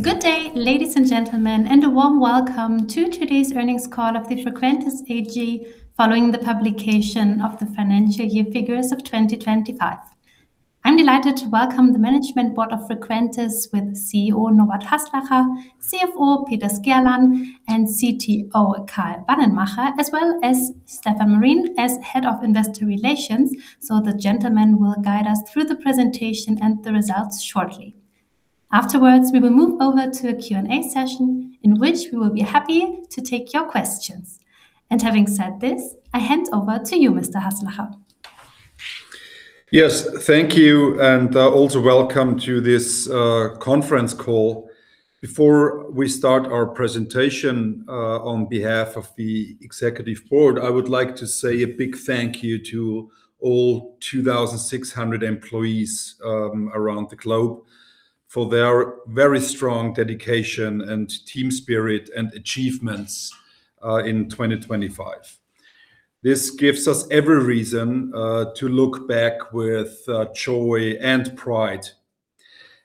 Good day, ladies and gentlemen, and a warm welcome to today's earnings call of the Frequentis AG, following the publication of the financial year figures of 2025. I'm delighted to welcome the Management Board of Frequentis with CEO Norbert Haslacher, CFO Peter Skerlan, and CTO Karl Wannenmacher, as well as Stefan Marin as Head of Investor Relations. The gentlemen will guide us through the presentation and the results shortly. Afterwards, we will move over to a Q&A session, in which we will be happy to take your questions. Having said this, I hand over to you, Mr. Haslacher. Yes. Thank you, and also welcome to this conference call. Before we start our presentation, on behalf of the Executive Board, I would like to say a big thank you to all 2,600 employees around the globe for their very strong dedication and team spirit and achievements in 2025. This gives us every reason to look back with joy and pride.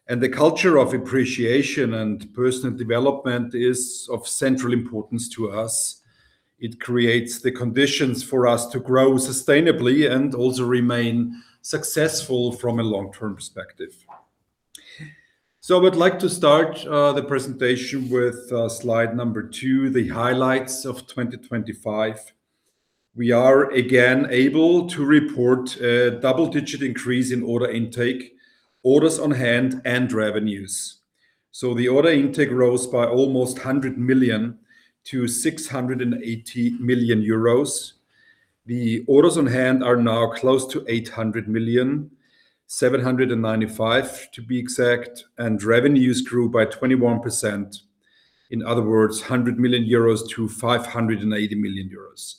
The culture of appreciation and personal development is of central importance to us. It creates the conditions for us to grow sustainably and also remain successful from a long-term perspective. I would like to start the presentation with slide number two, the highlights of 2025. We are again able to report a double-digit increase in order intake, orders on hand and revenues. The order intake rose by almost 100 million to 680 million euros. The orders on hand are now close to 800 million, 795 million to be exact, and revenues grew by 21%. In other words, 100 million-580 million euros.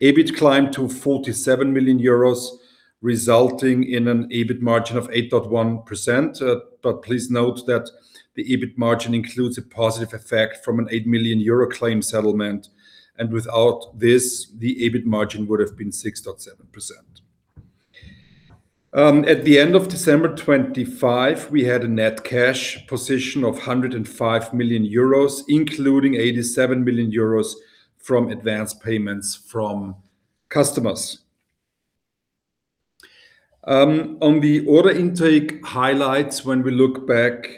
EBIT climbed to 47 million euros, resulting in an EBIT margin of 8.1%, but please note that the EBIT margin includes a positive effect from a 8 million euro claim settlement, and without this, the EBIT margin would've been 6.7%. At the end of December 2025, we had a net cash position of 105 million euros, including 87 million euros from advanced payments from customers. On the order intake highlights, when we look back,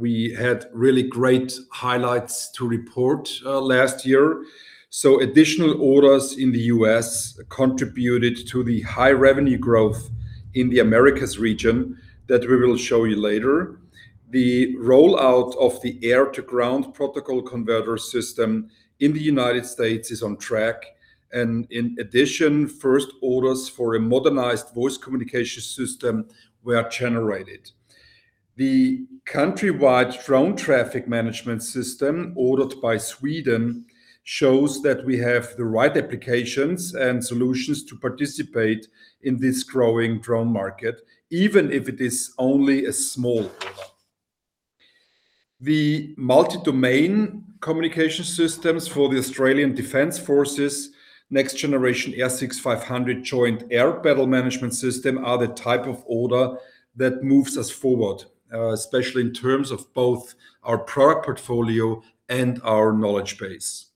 we had really great highlights to report last year. Additional orders in the U.S. contributed to the high revenue growth in the Americas region that we will show you later. The rollout of the air-to-ground protocol converter system in the United States is on track. In addition, first orders for a modernized voice communication system were generated. The countrywide drone traffic management system ordered by Sweden shows that we have the right applications and solutions to participate in this growing drone market, even if it is only a small order. The multi-domain communication systems for the Australian Defence Force's next generation AIR6500 Joint Air Battle Management System are the type of order that moves us forward, especially in terms of both our product portfolio and our knowledge base.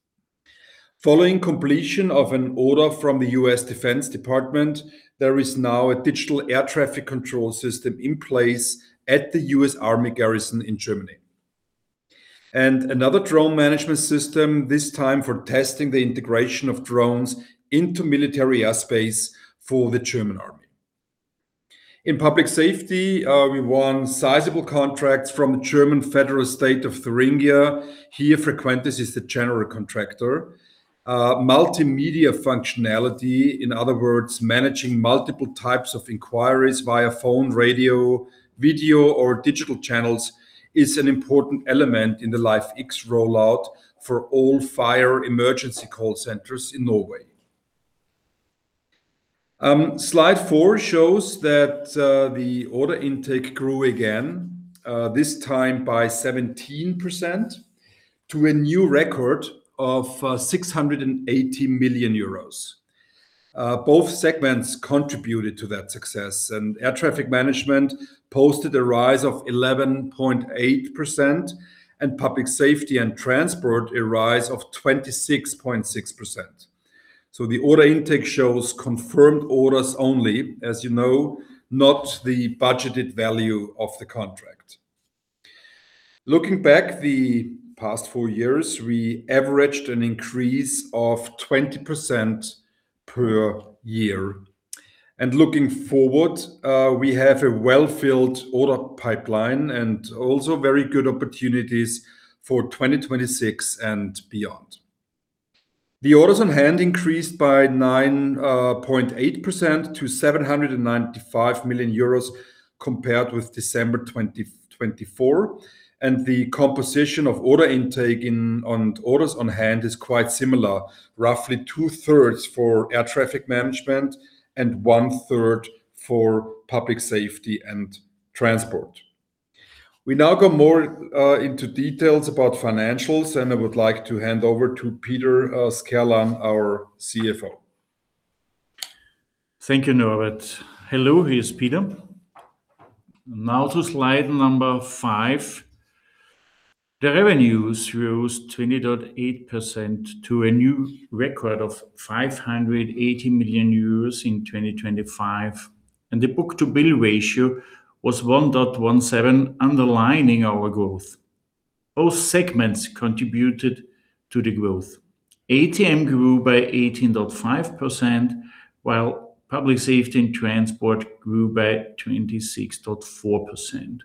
Following completion of an order from the U.S. Defense Department, there is now a digital air traffic control system in place at the U.S. Army garrison in Germany. Another Drone Management system, this time for testing the integration of drones into military airspace for the German Army. In public safety, we won sizable contracts from the German federal state of Thuringia. Here, Frequentis is the general contractor. Multimedia functionality, in other words, managing multiple types of inquiries via phone, radio, video or digital channels, is an important element in the LifeX rollout for all fire emergency call centers in Norway. Slide four shows that the order intake grew again, this time by 17%, to a new record of 680 million euros. Both segments contributed to that success, and air traffic management posted a rise of 11.8%, and Public Safety & Transport a rise of 26.6%. The order intake shows confirmed orders only, as you know, not the budgeted value of the contract. Looking back the past four years, we averaged an increase of 20% per year. Looking forward, we have a well-filled order pipeline and also very good opportunities for 2026 and beyond. The orders on hand increased by 9.8% to 795 million euros compared with December 2024, and the composition of order intake on orders on hand is quite similar. Roughly 2/3 for air traffic management and 1/3 for Public Safety & Transport. We now go more into details about financials, and I would like to hand over to Peter Skerlan, our CFO. Thank you, Norbert. Hello, here is Peter. Now to slide number five. The revenues rose 20.8% to a new record of 580 million euros in 2025, and the book-to-bill ratio was 1.17, underlining our growth. Both segments contributed to the growth. ATM grew by 18.5%, while Public Safety & Transport grew by 26.4%.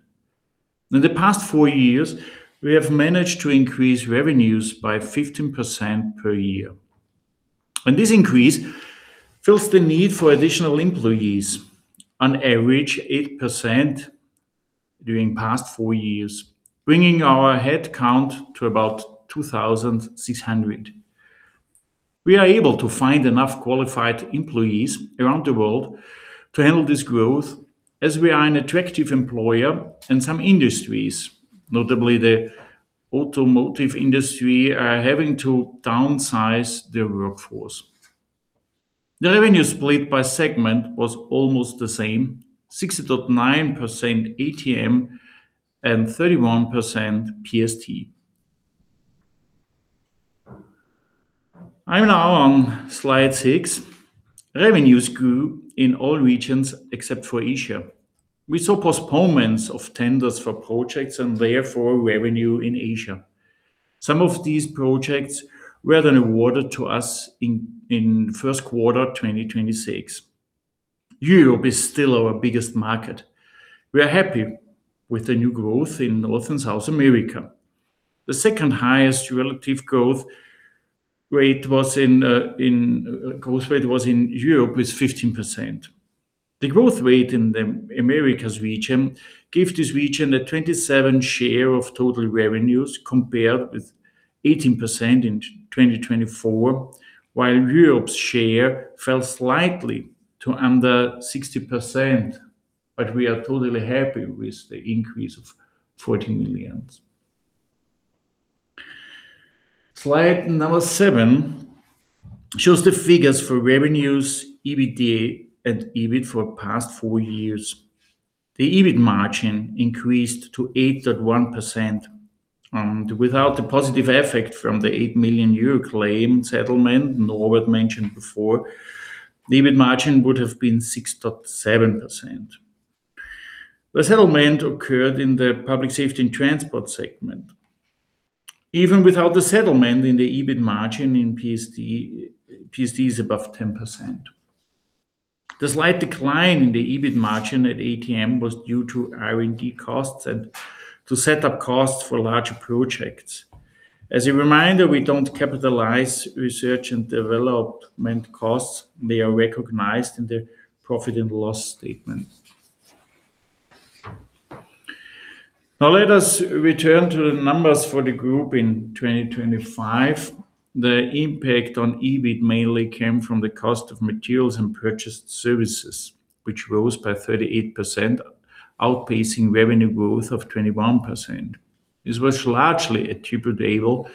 In the past four years, we have managed to increase revenues by 15% per year. This increase fills the need for additional employees on average 8% during the past four years, bringing our head count to about 2,600. We are able to find enough qualified employees around the world to handle this growth as we are an attractive employer, and some industries, notably the automotive industry, are having to downsize their workforce. The revenue split by segment was almost the same, 60.9% ATM and 31% PST. I'm now on slide six. Revenues grew in all regions except for Asia. We saw postponements of tenders for projects and therefore revenue in Asia. Some of these projects were then awarded to us in first quarter 2026. Europe is still our biggest market. We are happy with the new growth in North and South America. The second highest relative growth rate was in Europe with 15%. The growth rate in the Americas region gave this region a 27% share of total revenues compared with 18% in 2024, while Europe's share fell slightly to under 60%, but we are totally happy with the increase of 40 million. Slide seven shows the figures for revenues, EBITDA, and EBIT for the past four years. The EBIT margin increased to 8.1%, and without the positive effect from the 8 million euro claim settlement Norbert mentioned before, the EBIT margin would have been 6.7%. The settlement occurred in the Public Safety & Transport segment. Even without the settlement, the EBIT margin in PST is above 10%. The slight decline in the EBIT margin at ATM was due to R&D costs and to setup costs for larger projects. As a reminder, we don't capitalize Research and Development costs. They are recognized in the profit and loss statement. Now let us return to the numbers for the Group in 2025. The impact on EBIT mainly came from the cost of materials and purchased services, which rose by 38%, outpacing revenue growth of 21%. This was largely attributable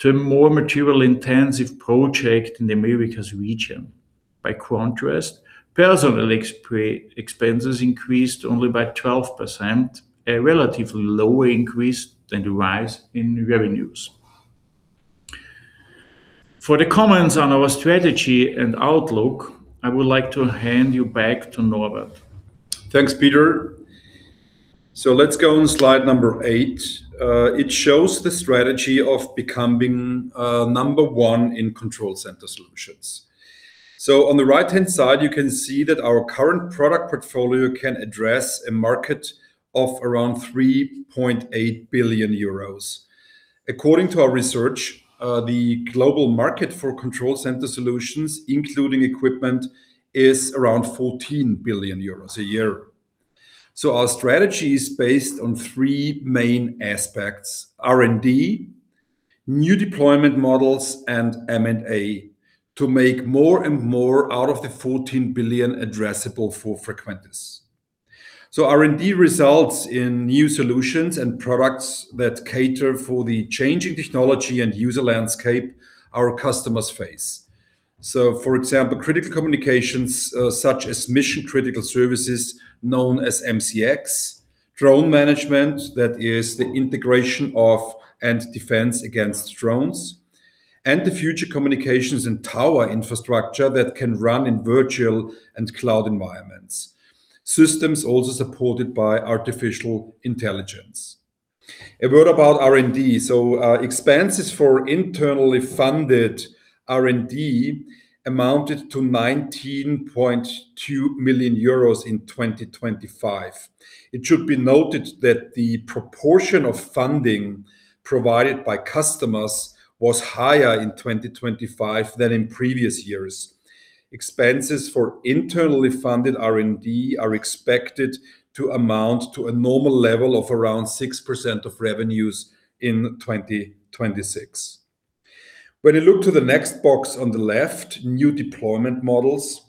to a more material-intensive project in the Americas region. By contrast, personnel expenses increased only by 12%, a relatively lower increase than the rise in revenues. For the comments on our strategy and outlook, I would like to hand you back to Norbert. Thanks, Peter. Let's go on slide number eight. It shows the strategy of becoming number one in control centre solutions. On the right-hand side, you can see that our current product portfolio can address a market of around 3.8 billion euros. According to our research, the global market for control centre solutions, including equipment, is around 14 billion euros a year. Our strategy is based on three main aspects: R&D, new deployment models, and M&A to make more and more out of the 14 billion addressable for Frequentis. R&D results in new solutions and products that cater for the changing technology and user landscape our customers face. For example, critical communications such as mission-critical services known as MCX, Drone Management, that is the integration of and defence against drones, and the future communications and tower infrastructure that can run in virtual and cloud environments. Systems also supported by artificial intelligence. A word about R&D. Expenses for internally funded R&D amounted to 19.2 million euros in 2025. It should be noted that the proportion of funding provided by customers was higher in 2025 than in previous years. Expenses for internally funded R&D are expected to amount to a normal level of around 6% of revenues in 2026. When you look to the next box on the left, new deployment models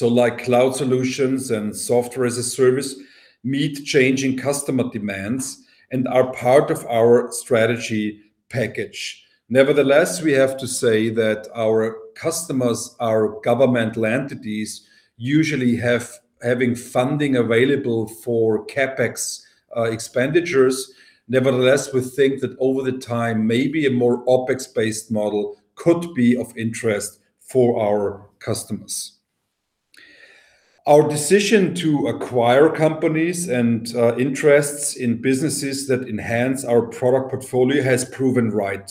like cloud solutions and Software-as-a-Service meet changing customer demands and are part of our strategy package. Nevertheless, we have to say that our customers, our governmental entities, usually having funding available for CapEx expenditures. Nevertheless, we think that over the time, maybe a more OpEx-based model could be of interest for our customers. Our decision to acquire companies and interests in businesses that enhance our product portfolio has proven right.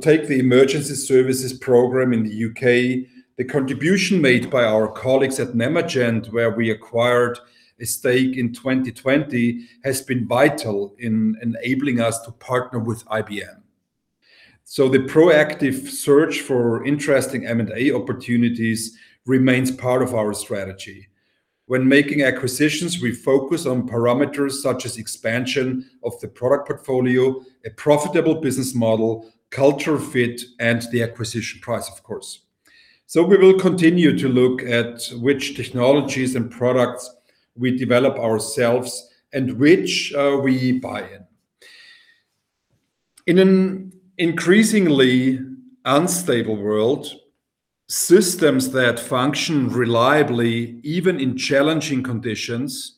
Take the emergency services program in the U.K. The contribution made by our colleagues at Nemergent, where we acquired a stake in 2020, has been vital in enabling us to partner with IBM. The proactive search for interesting M&A opportunities remains part of our strategy. When making acquisitions, we focus on parameters such as expansion of the product portfolio, a profitable business model, culture fit, and the acquisition price, of course. We will continue to look at which technologies and products we develop ourselves and which we buy in. In an increasingly unstable world, systems that function reliably, even in challenging conditions,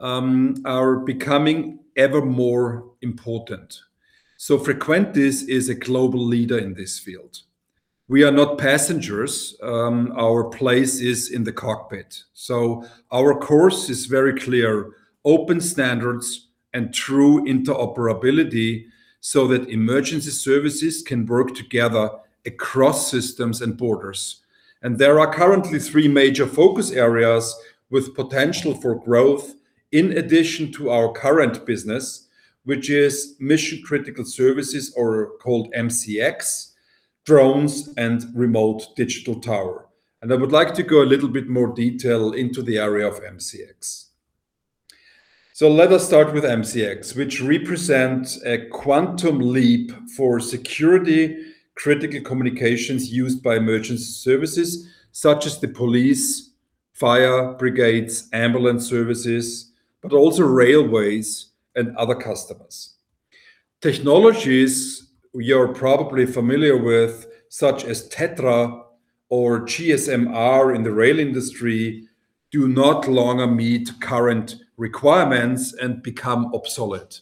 are becoming ever more important. Frequentis is a global leader in this field. We are not passengers. Our place is in the cockpit. Our course is very clear. Open standards and true interoperability so that emergency services can work together across systems and borders. There are currently three major focus areas with potential for growth in addition to our current business, which is mission-critical services, also called MCX, drones, and remote digital tower. I would like to go a little bit more detail into the area of MCX. Let us start with MCX, which represents a quantum leap for security-critical communications used by emergency services such as the police, fire brigades, ambulance services, but also railways and other customers. Technologies you're probably familiar with, such as TETRA or GSM-R in the rail industry, no longer meet current requirements and become obsolete.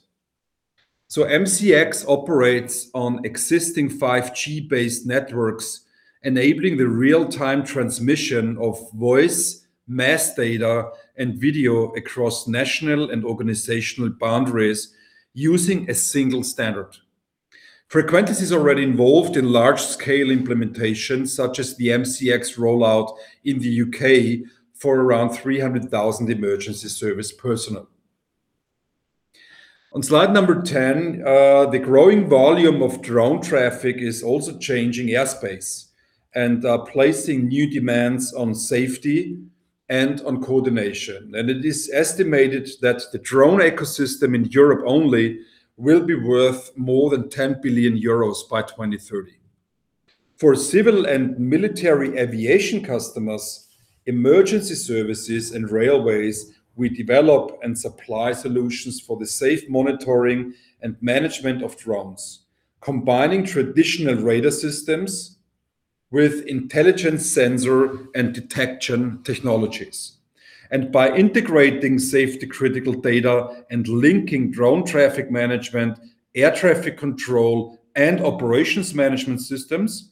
MCX operates on existing 5G-based networks, enabling the real-time transmission of voice, mass data, and video across national and organizational boundaries using a single standard. Frequentis is already involved in large-scale implementations, such as the MCX rollout in the U.K. for around 300,000 emergency service personnel. On slide number 10, the growing volume of drone traffic is also changing airspace and placing new demands on safety and on coordination. It is estimated that the drone ecosystem in Europe only will be worth more than 10 billion euros by 2030. For civil and military aviation customers, emergency services, and railways, we develop and supply solutions for the safe monitoring and management of drones, combining traditional radar systems with intelligent sensor and detection technologies. By integrating safety-critical data and linking drone traffic management, air traffic control, and operations management systems,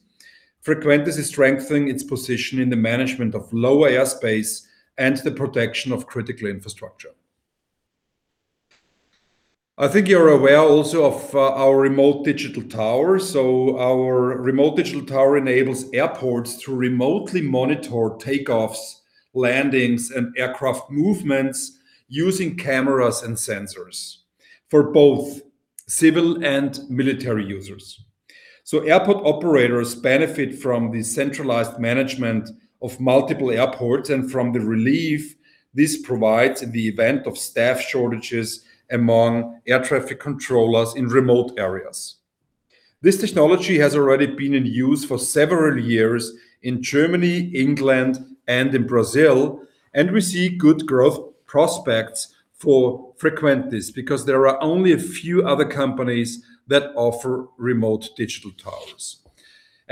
Frequentis is strengthening its position in the management of low airspace and the protection of critical infrastructure. I think you're aware also of our remote digital tower. Our remote digital tower enables airports to remotely monitor takeoffs, landings, and aircraft movements using cameras and sensors for both civil and military users. Airport operators benefit from the centralized management of multiple airports and from the relief this provides in the event of staff shortages among air traffic controllers in remote areas. This technology has already been in use for several years in Germany, England, and in Brazil, and we see good growth prospects for Frequentis because there are only a few other companies that offer remote digital towers.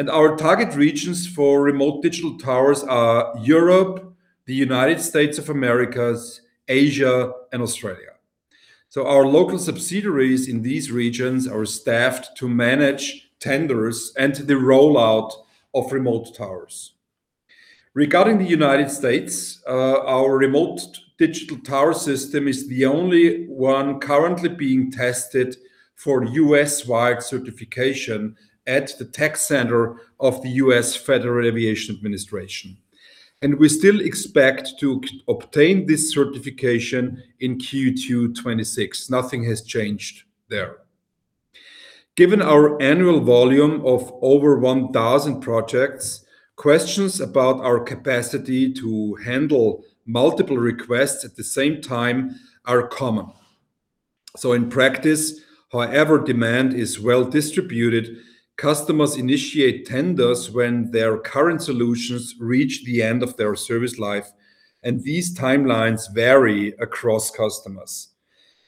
Our target regions for remote digital towers are Europe, the United States of America, Asia, and Australia. Our local subsidiaries in these regions are staffed to manage tenders and the rollout of remote towers. Regarding the United States, our remote digital tower system is the only one currently being tested for U.S.-wide certification at the tech center of the U.S. Federal Aviation Administration. We still expect to obtain this certification in Q2 2026. Nothing has changed there. Given our annual volume of over 1,000 projects, questions about our capacity to handle multiple requests at the same time are common. In practice, however, demand is well-distributed. Customers initiate tenders when their current solutions reach the end of their service life, and these timelines vary across customers.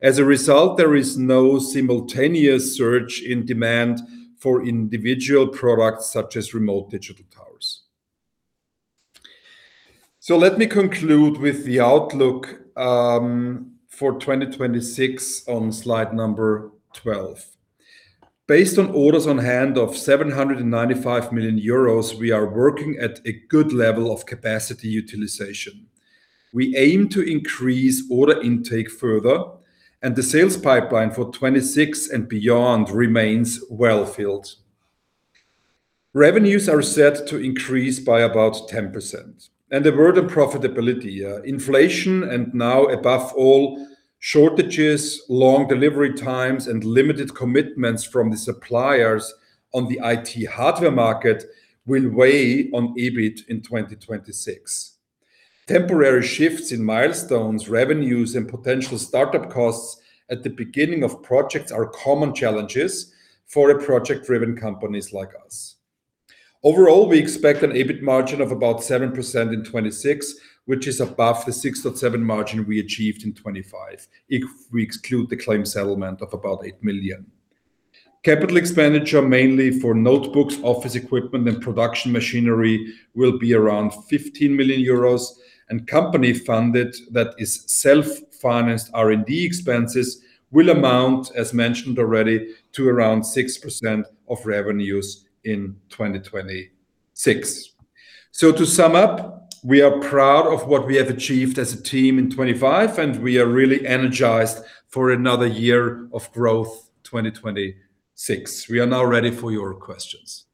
As a result, there is no simultaneous surge in demand for individual products, such as remote digital towers. Let me conclude with the outlook for 2026 on slide number 12. Based on orders on hand of 795 million euros, we are working at a good level of capacity utilization. We aim to increase order intake further and the sales pipeline for 2026 and beyond remains well-filled. Revenues are set to increase by about 10%. The word on profitability. Inflation and now above all, shortages, long delivery times, and limited commitments from the suppliers on the IT hardware market will weigh on EBIT in 2026. Temporary shifts in milestones, revenues, and potential startup costs at the beginning of projects are common challenges for a project-driven companies like us. Overall, we expect an EBIT margin of about 7% in 2026, which is above the 6.7% margin we achieved in 2025, if we exclude the claim settlement of about 8 million. CapEx, mainly for notebooks, office equipment, and production machinery, will be around 15 million euros and company-funded, that is self-financed R&D expenses will amount, as mentioned already, to around 6% of revenues in 2026. To sum up, we are proud of what we have achieved as a team in 2025, and we are really energized for another year of growth, 2026. We are now ready for your questions.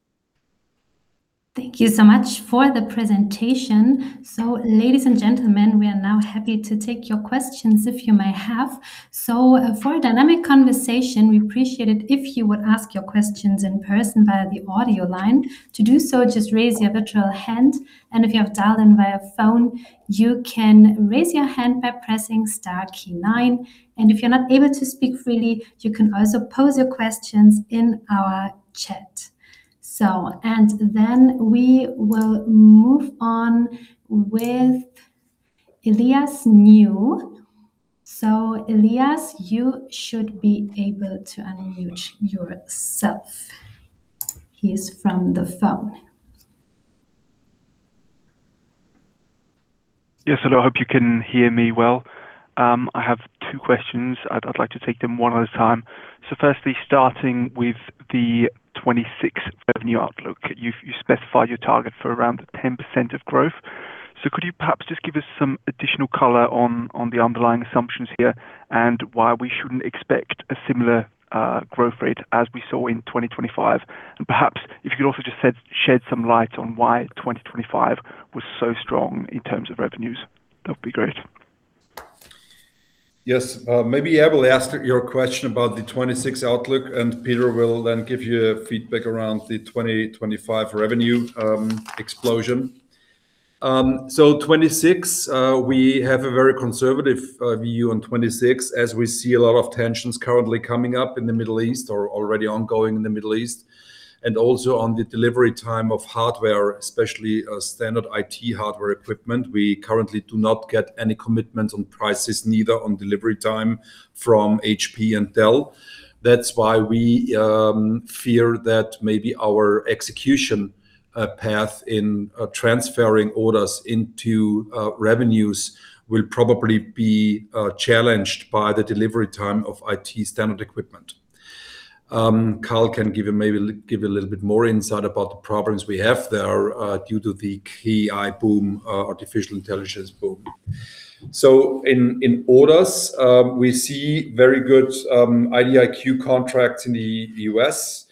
Thank you so much for the presentation. Ladies and gentlemen, we are now happy to take your questions if you may have. For a dynamic conversation, we appreciate it if you would ask your questions in person via the audio line. To do so, just raise your virtual hand, and if you have dialed in via phone, you can raise your hand by pressing star key nine. If you're not able to speak freely, you can also pose your questions in our chat. We will move on with Elias New. Elias, you should be able to unmute yourself. He's from the phone. Yes, hello, hope you can hear me well. I have two questions. I'd like to take them one at a time. Firstly, starting with the 2026 revenue outlook. You specified your target for around 10% of growth. Could you perhaps just give us some additional color on the underlying assumptions here and why we shouldn't expect a similar growth rate as we saw in 2025? And perhaps if you could also just shed some light on why 2025 was so strong in terms of revenues, that would be great. Yes. Maybe I will ask your question about the 2026 outlook, and Peter will then give you a feedback around the 2025 revenue explosion. 2026, we have a very conservative view on 2026 as we see a lot of tensions currently coming up in the Middle East or already ongoing in the Middle East. Also on the delivery time of hardware, especially standard IT hardware equipment. We currently do not get any commitments on prices, neither on delivery time from HP and Dell. That's why we fear that maybe our execution path in transferring orders into revenues will probably be challenged by the delivery time of IT standard equipment. Karl can give a little bit more insight about the problems we have there due to the key AI boom, artificial intelligence boom. In orders, we see very good IDIQ contracts in the U.S.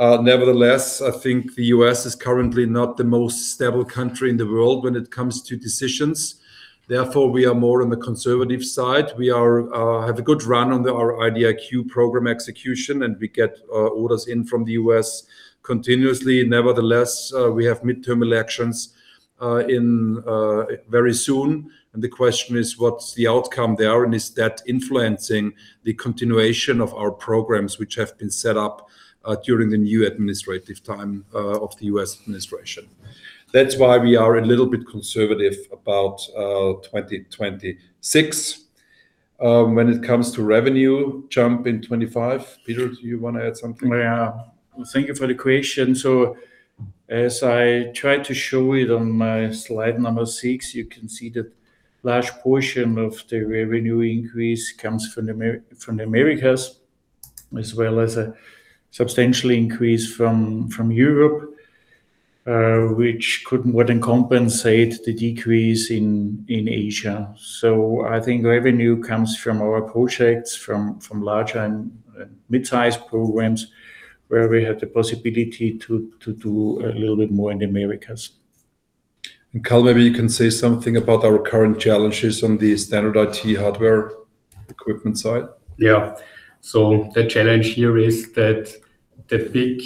Nevertheless, I think the U.S. is currently not the most stable country in the world when it comes to decisions. Therefore, we are more on the conservative side. We have a good run on our IDIQ program execution, and we get orders in from the U.S. continuously. Nevertheless, we have midterm elections very soon. The question is, what's the outcome there? Is that influencing the continuation of our programs which have been set up during the new administrative time of the U.S. administration? That's why we are a little bit conservative about 2026. When it comes to revenue jump in 2025, Peter, do you want to add something? Yeah. Thank you for the question. As I tried to show it on my slide number six, you can see the large portion of the revenue increase comes from the Americas, as well as a substantial increase from Europe, which would compensate the decrease in Asia. I think revenue comes from our projects, from large and mid-size programs where we have the possibility to do a little bit more in the Americas. Karl, maybe you can say something about our current challenges on the standard IT hardware equipment side. Yeah. The challenge here is that. The big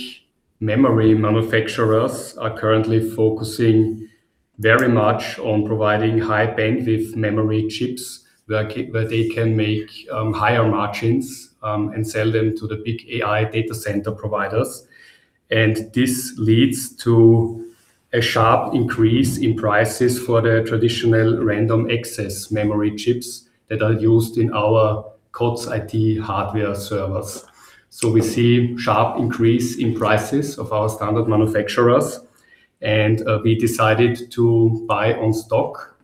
memory manufacturers are currently focusing very much on providing high bandwidth memory chips where they can make higher margins and sell them to the big AI data center providers. This leads to a sharp increase in prices for the traditional random access memory chips that are used in our COTS IT hardware servers. We see sharp increase in prices of our standard manufacturers, and we decided to buy on stock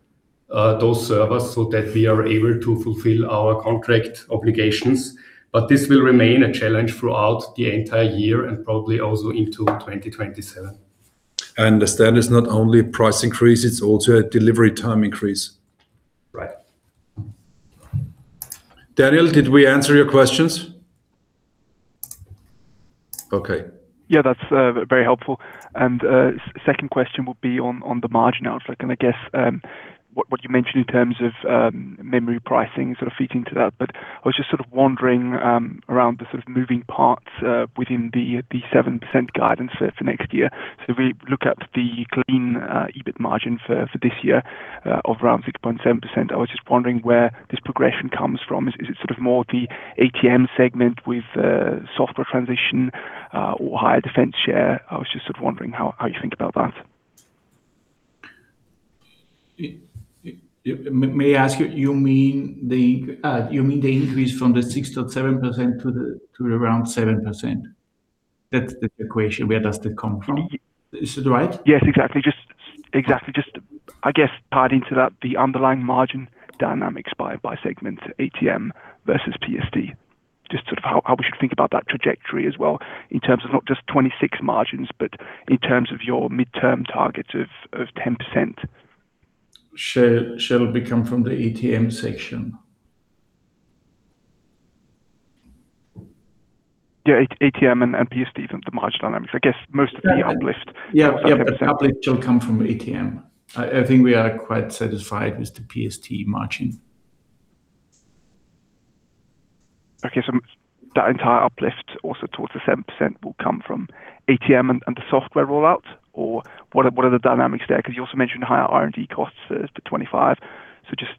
those servers so that we are able to fulfill our contract obligations. This will remain a challenge throughout the entire year and probably also into 2027. I understand it's not only a price increase, it's also a delivery time increase. Right. Elias, did we answer your questions? Okay. Yeah, that's very helpful. Second question would be on the margin outlook. I guess, what you mentioned in terms of memory pricing sort of feeding to that, but I was just sort of wondering around the sort of moving parts within the 7% guidance for next year. We look at the clean EBIT margin for this year of around 6.7%. I was just wondering where this progression comes from. Is it sort of more the ATM segment with software transition or higher defence share? I was just sort of wondering how you think about that. May I ask, you mean the increase from the 6.7% to around 7%? That's the equation. Where does that come from? Is it right? Yes, exactly. Just, I guess, tied into that, the underlying margin dynamics by segment, ATM versus PST. Just sort of how we should think about that trajectory as well, in terms of not just 2026 margins, but in terms of your midterm targets of 10%. Sales from the ATM section. Yeah, ATM and PST, even the margin dynamics. I guess most of the uplift. Yeah. Uplift shall come from ATM. I think we are quite satisfied with the PST margin. Okay. That entire uplift also towards the 7% will come from ATM and the software rollout? Or what are the dynamics there? Because you also mentioned higher R&D costs for 2025. Just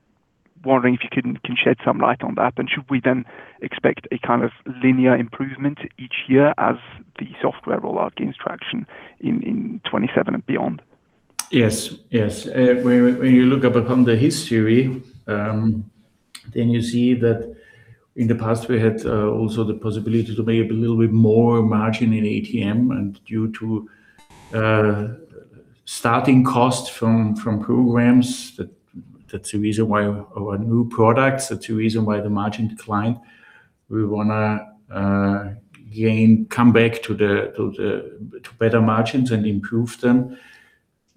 wondering if you can shed some light on that, and should we then expect a kind of linear improvement each year as the software rollout gains traction in 2027 and beyond? Yes. When you look upon the history, then you see that in the past, we had also the possibility to make a little bit more margin in ATM and due to starting costs from programs, that's the reason why our new products, that's the reason why the margin declined. We want to come back to better margins and improve them,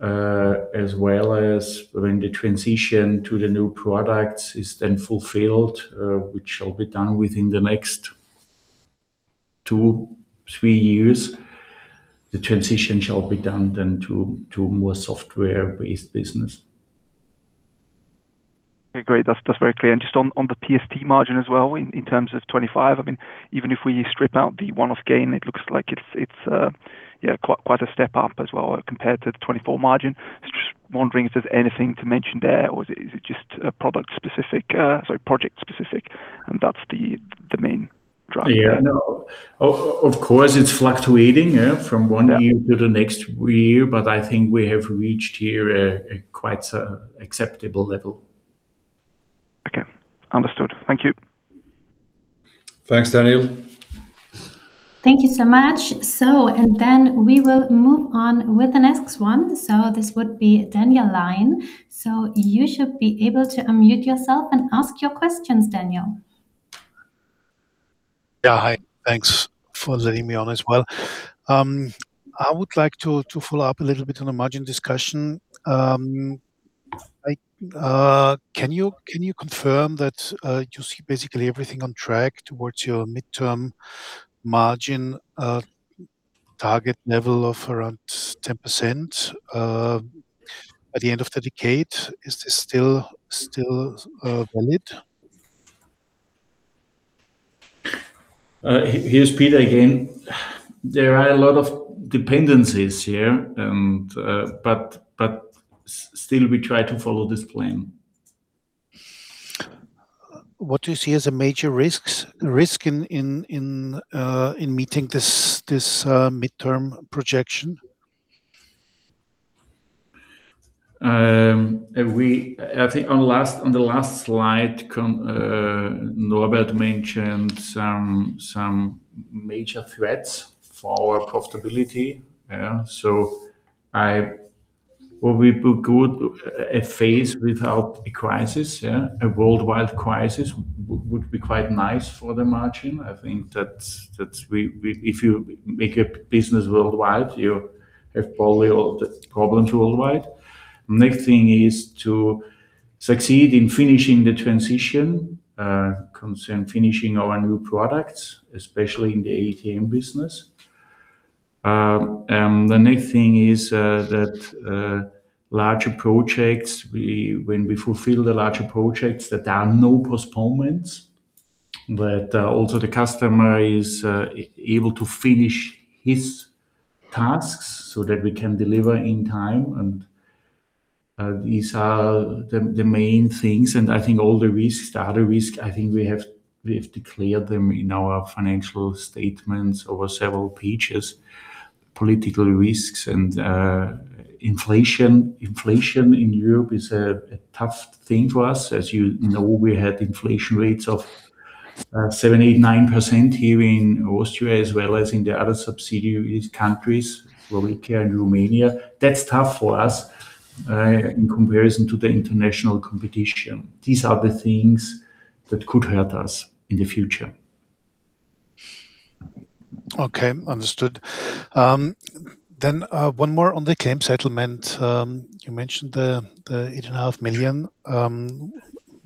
as well as when the transition to the new products is then fulfilled, which shall be done within the next two, three years. The transition shall be done then to more software-based business. Okay, great. That's very clear. Just on the PST margin as well, in terms of 2025, even if we strip out the one-off gain, it looks like it's quite a step up as well compared to the 2024 margin. I was just wondering if there's anything to mention there, or is it just project specific, and that's the main driver? Yeah, no. Of course, it's fluctuating, yeah, from one year to the next year. I think we have reached here a quite acceptable level. Okay. Understood. Thank you. Thanks, Elias. Thank you so much. We will move on with the next one. This would be Daniel Lion. You should be able to unmute yourself and ask your questions, Daniel. Yeah. Hi. Thanks for letting me on as well. I would like to follow up a little bit on the margin discussion. Can you confirm that you see basically everything on track towards your midterm margin target level of around 10%, at the end of the decade? Is this still valid? Here's Peter again. There are a lot of dependencies here, still we try to follow this plan. What do you see as a major risk in meeting this midterm projection? I think on the last slide, Norbert mentioned some major threats for our profitability. Yeah. We put a phase without a crisis, yeah. A worldwide crisis would be quite nice for the margin. I think that if you make a business worldwide, you have probably all the problems worldwide. Next thing is to succeed in finishing the transition, concerning finishing our new products, especially in the ATM business. The next thing is that larger projects, when we fulfill the larger projects, that there are no postponements, but also the customer is able to finish his tasks so that we can deliver in time. These are the main things, and I think all the other risks, I think we have declared them in our financial statements over several pages. Political risks and inflation. Inflation in Europe is a tough thing for us. As you know, we had inflation rates of 7%, 8%, 9% here in Austria as well as in the other subsidiary countries, Slovakia and Romania. That's tough for us in comparison to the international competition. These are the things that could hurt us in the future. Okay, understood. One more on the claim settlement. You mentioned the 8.5 million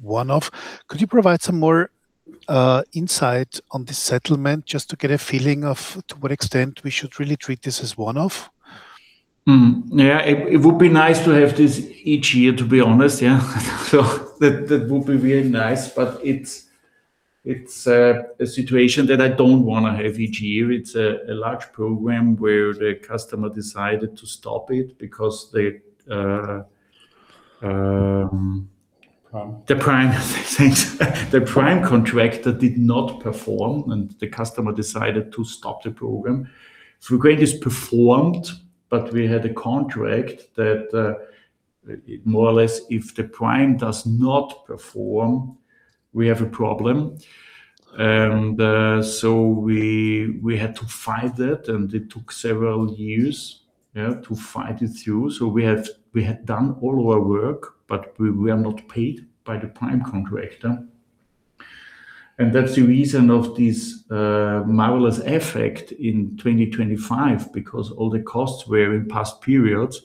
one-off. Could you provide some more insight on this settlement just to get a feeling of to what extent we should really treat this as one-off? Yeah. It would be nice to have this each year, to be honest. Yeah. That would be really nice, but it's a situation that I don't want to have each year. It's a large program where the customer decided to stop it because the- Prime The prime contractor did not perform, and the customer decided to stop the program. Frequentis performed, but we had a contract that more or less if the prime does not perform, we have a problem. We had to fight that, and it took several years to fight it through. We had done all our work, but we were not paid by the prime contractor. That's the reason of this marvelous effect in 2025, because all the costs were in past periods.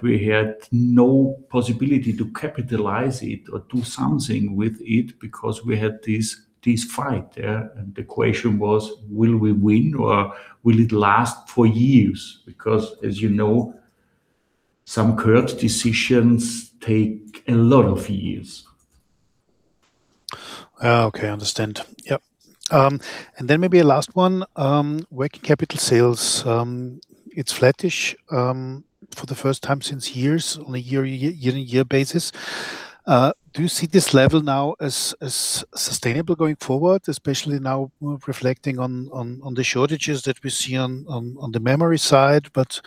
We had no possibility to capitalize it or do something with it because we had this fight. Yeah. The question was, will we win or will it last for years? Because as you know, some court decisions take a lot of years. Okay, understand. Yep. Then maybe a last one. Working capital sales, it's flattish for the first time since years on a year-on-year basis. Do you see this level now as sustainable going forward, especially now reflecting on the shortages that we see on the memory side, but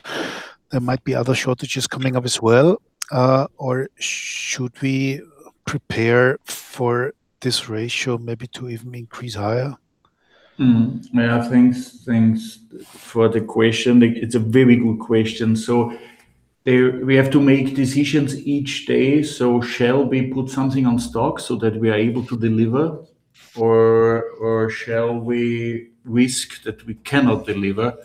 there might be other shortages coming up as well. Or should we prepare for this ratio maybe to even increase higher? Thanks for the question. It's a very good question. We have to make decisions each day. Shall we put something on stock so that we are able to deliver, or shall we risk that we cannot deliver?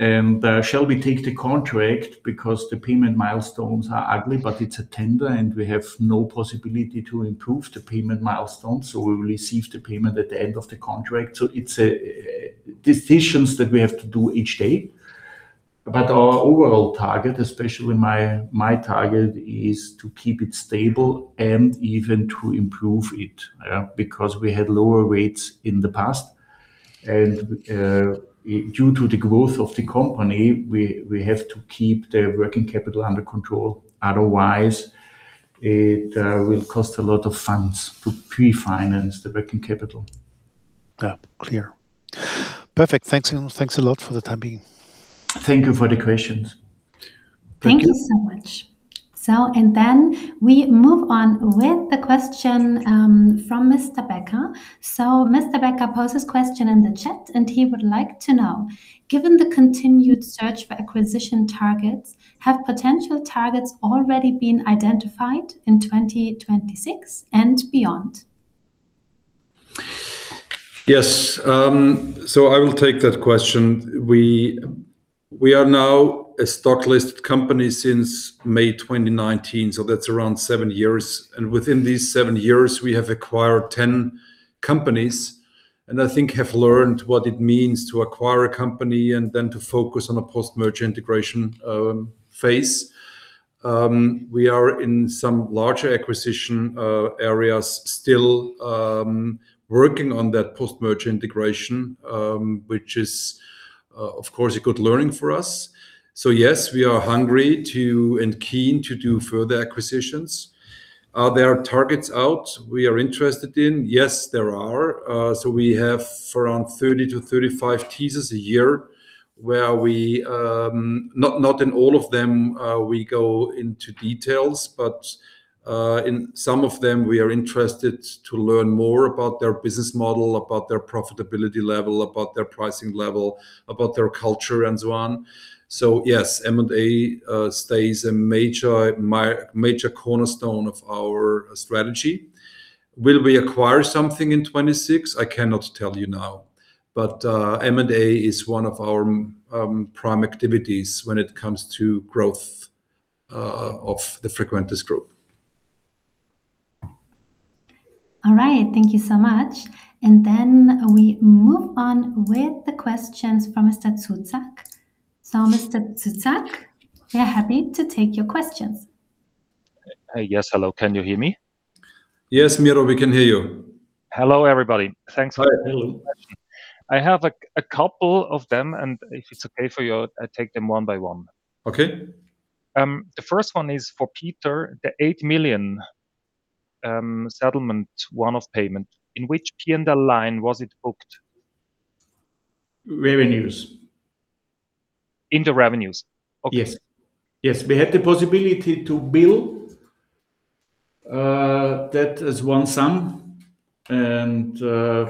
Shall we take the contract because the payment milestones are ugly, but it's a tender and we have no possibility to improve the payment milestones, so we will receive the payment at the end of the contract? It's decisions that we have to do each day. Our overall target, especially my target, is to keep it stable and even to improve it. Yeah. Because we had lower rates in the past. Due to the growth of the company, we have to keep the working capital under control, otherwise it will cost a lot of funds to pre-finance the working capital. Yeah. Clear. Perfect. Thanks a lot for the time being. Thank you for the questions. Thank you so much. We move on with the question from Mr. Becker. Mr. Becker poses question in the chat, and he would like to know, given the continued search for acquisition targets, have potential targets already been identified in 2026 and beyond? Yes. I will take that question. We are now a stock listed company since May 2019, so that's around seven years. Within these seven years, we have acquired 10 companies and I think have learned what it means to acquire a company and then to focus on a post-merger integration phase. We are in some larger acquisition areas still working on that post-merger integration, which is, of course, a good learning for us. Yes, we are hungry too and keen to do further acquisitions. Are there targets out there we are interested in? Yes, there are. We have around 30-35 teasers a year where not in all of them we go into details, but in some of them we are interested to learn more about their business model, about their profitability level, about their pricing level, about their culture and so on. Yes, M&A stays a major cornerstone of our strategy. Will we acquire something in 2026? I cannot tell you now, but M&A is one of our prime activities when it comes to growth of the Frequentis Group. All right. Thank you so much. We move on with the questions from Mr. Zuzak. Mr. Zuzak, we are happy to take your questions. Yes. Hello, can you hear me? Yes, Miro, we can hear you. Hello, everybody. Thanks for. Hi. Hello. I have a couple of them, and if it's okay for you, I take them one by one. Okay. The first one is for Peter, the 8 million settlement, one-off payment. In which P&L line was it booked? Revenues. Into revenues? Okay. Yes. Yes. We had the possibility to bill that as one sum, and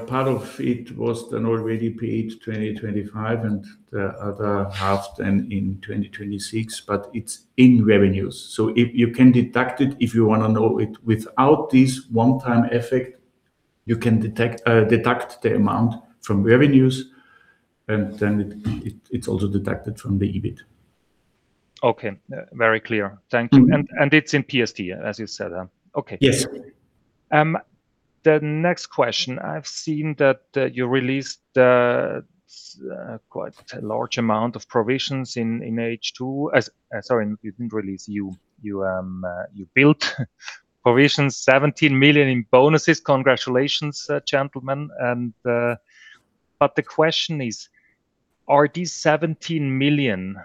part of it was then already paid 2025 and the other half then in 2026. But it's in revenues, so you can deduct it if you want to know it without this one-time effect. You can deduct the amount from revenues, and then it's also deducted from the EBIT. Okay. Very clear. Thank you. It's in PST, as you said. Okay. Yes. The next question, I've seen that you released quite a large amount of provisions in H2. Sorry, you didn't release, you built provisions, 17 million in bonuses. Congratulations, gentlemen. The question is, are these 17 million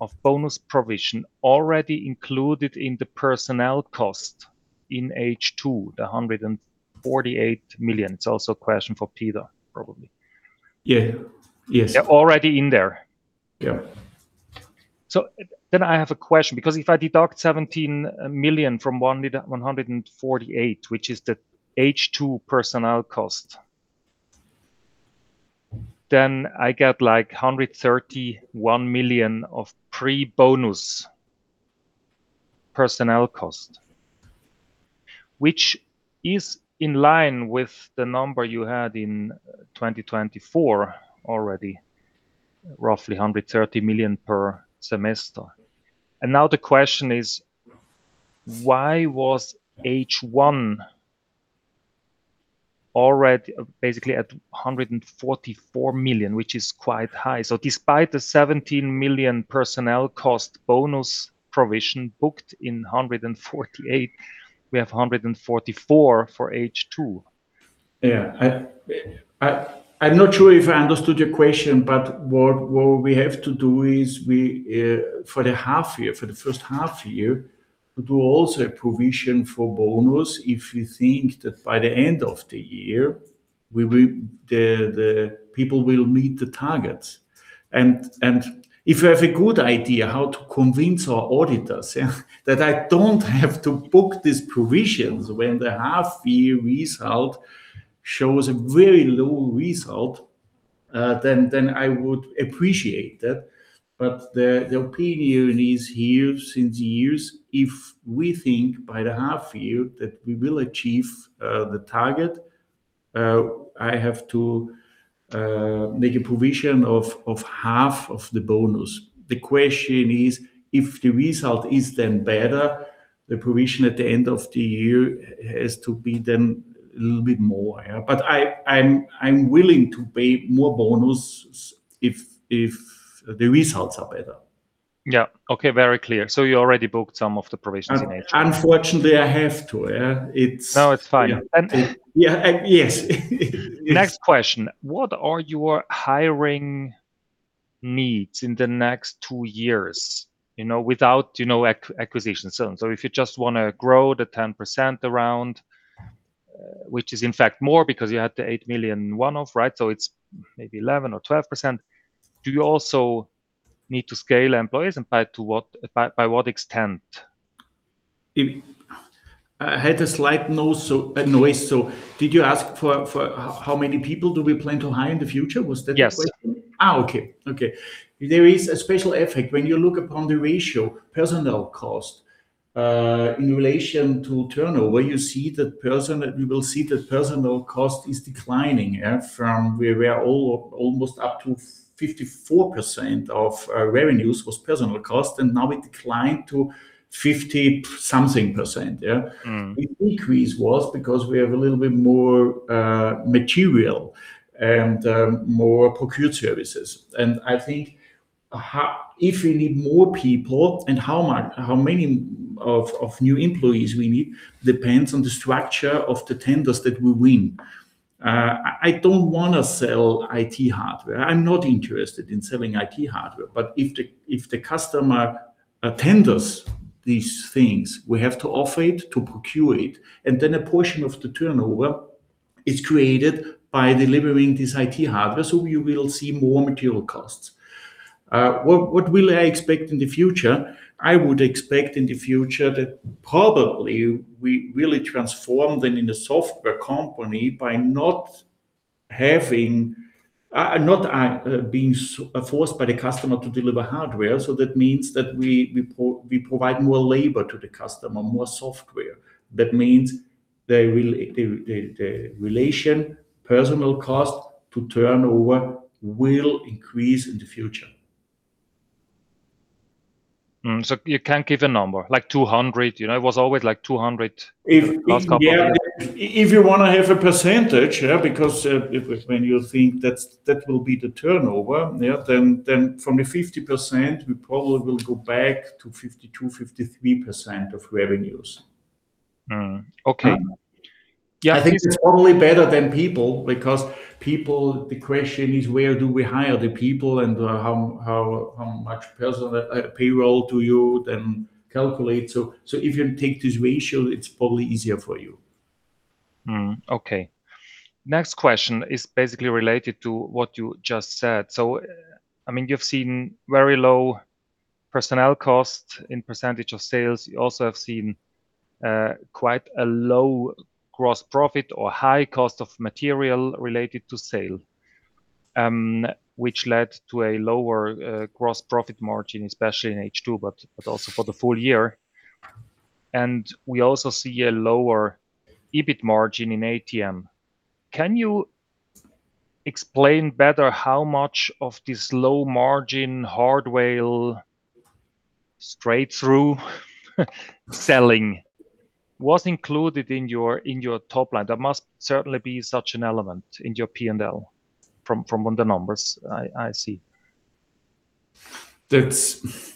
of bonus provision already included in the personnel cost in H2, the 148 million? It's also a question for Peter, probably. Yeah. Yes. They're already in there? Yeah. I have a question, because if I deduct 17 million from 148 million, which is the H2 personnel cost, then I get like 131 million of pre-bonus personnel cost, which is in line with the number you had in 2024 already, roughly 130 million per semester. Now the question is why was H1 already basically at 144 million, which is quite high. Despite the 17 million personnel cost bonus provision booked in 148 million, we have 144 million for H2. Yeah. I'm not sure if I understood your question, but what we have to do is for the first half year, we do also a provision for bonus if we think that by the end of the year the people will meet the targets. If you have a good idea how to convince our auditors that I don't have to book these provisions when the half year result shows a very low result, then I would appreciate that. The opinion is here for years, if we think by the half year that we will achieve the target, I have to make a provision of half of the bonus. The question is, if the result is then better, the provision at the end of the year has to be then a little bit more. I'm willing to pay more bonus if the results are better. Yeah. Okay. Very clear. You already booked some of the provisions in H1. Unfortunately, I have to, yeah. No, it's fine. Yeah. Yes. Next question. What are your hiring needs in the next two years? Without acquisitions. If you just want to grow around 10%, which is in fact more because you had the 8 million one-off, right? It's maybe 11% or 12%. Do you also need to scale employees and by what extent? I had a slight noise, so did you ask for how many people do we plan to hire in the future? Was that the question? Yes. Okay. There is a special effect. When you look upon the ratio, personnel cost in relation to turnover, you will see that personnel cost is declining from where we are almost up to 54% of revenues was personnel cost, and now it declined to 50-something percent, yeah? Mm. The increase was because we have a little bit more material and more procured services. I think if we need more people and how many of new employees we need depends on the structure of the tenders that we win. I don't want to sell IT hardware. I'm not interested in selling IT hardware. If the customer tenders these things, we have to offer it to procure it, and then a portion of the turnover is created by delivering this IT hardware, so we will see more material costs. What will I expect in the future? I would expect in the future that probably we really transform then in a software company by not being forced by the customer to deliver hardware. That means that we provide more labor to the customer, more software. That means the relation of personnel cost to turnover will increase in the future. You can't give a number, like 200. It was always like 200 last quarter. If you want to have a percentage, because when you think that will be the turnover, then from the 50%, we probably will go back to 52%-53% of revenues. Okay. Yeah. I think it's probably better than people, because people, the question is, where do we hire the people and how much personnel payroll do you then calculate? If you take this ratio, it's probably easier for you. Okay. Next question is basically related to what you just said. You've seen very low personnel costs in percentage of sales. You also have seen quite a low gross profit or high cost of material related to sales, which led to a lower gross profit margin, especially in H2, but also for the full year. We also see a lower EBIT margin in ATM. Can you explain better how much of this low margin hardware straight-through selling was included in your top line? There must certainly be such an element in your P&L from the numbers I see. That's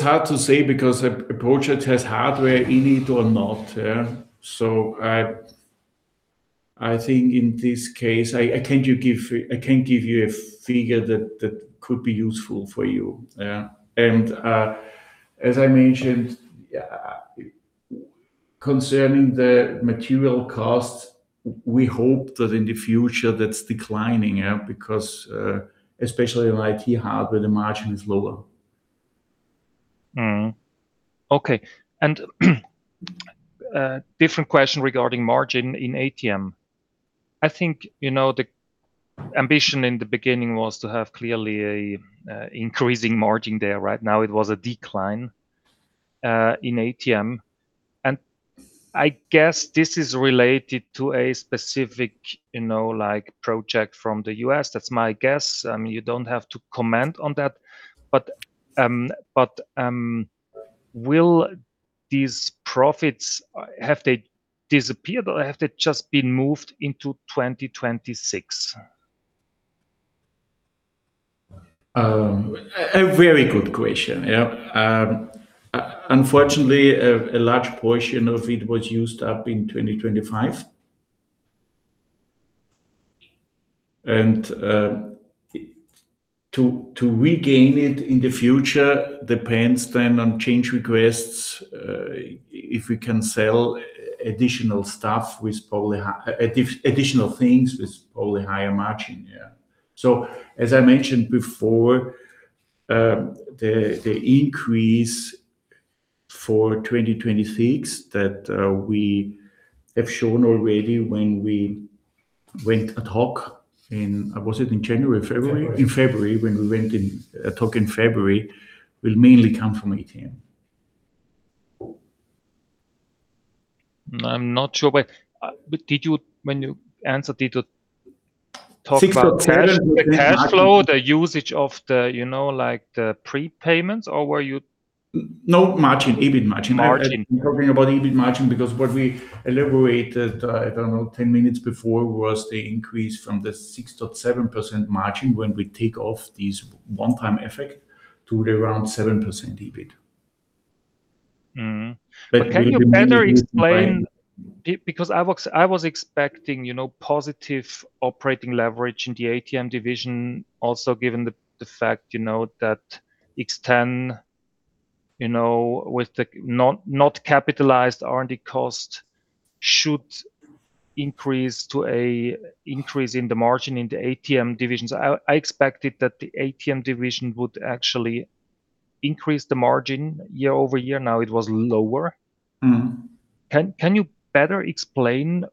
hard to say because a project has hardware in it or not. I think in this case, I can't give you a figure that could be useful for you. As I mentioned, concerning the material costs, we hope that in the future, that's declining, because especially in IT hardware, the margin is lower. Okay. Different question regarding margin in ATM. I think, the ambition in the beginning was to have clearly an increasing margin there. Right now it was a decline in ATM. I guess this is related to a specific project from the U.S. That's my guess. You don't have to comment on that. Will these profits, have they disappeared or have they just been moved into 2026? A very good question. Unfortunately, a large portion of it was used up in 2025. To regain it in the future depends then on change requests. If we can sell additional stuff, additional things with probably higher margin. As I mentioned before, the increase for 2026 that we have shown already when we went ad hoc in, was it in January or February? February. In February, when we went ad hoc in February, will mainly come from ATM. I'm not sure, but when you answered, did you talk about? the cash flow, the usage of the prepayments, or were you- No. Margin, EBIT margin. Margin. I'm talking about EBIT margin because what we elaborated, I don't know, 10 minutes before, was the increase from the 6.7% margin when we take off this one-time effect to around 7% EBIT. Can you better explain? I was expecting positive operating leverage in the ATM division also given the fact that X10, with the not capitalized R&D cost should increase to an increase in the margin in the ATM divisions. I expected that the ATM division would actually increase the margin year-over-year. Now it was lower. Mm-hmm. Can you better explain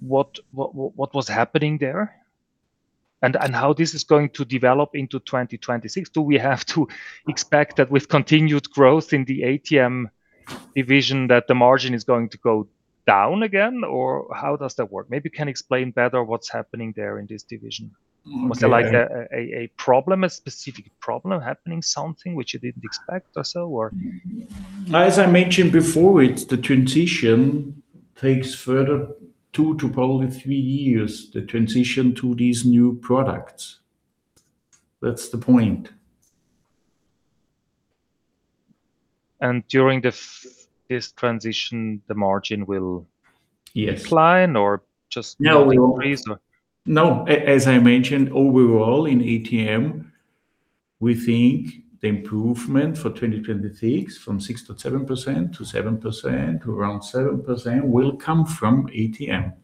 what was happening there? How this is going to develop into 2026? Do we have to expect that with continued growth in the ATM division that the margin is going to go down again? How does that work? Maybe you can explain better what's happening there in this division. Okay. Was there like a problem, a specific problem happening, something which you didn't expect or so, or? As I mentioned before, it's the transition takes further two to probably three years, the transition to these new products. That's the point. During this transition, the margin will Yes Decline or just no increase or? No. As I mentioned, overall in ATM, we think the improvement for 2026 from 6.7%-7%, to around 7%, will come from ATM.